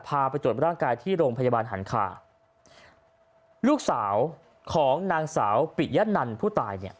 ไปตรวจร่างกายที่โรงพยาบาลหันคาลูกสาวของนางสาวปิยะนันผู้ตายเนี่ย